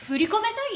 詐欺？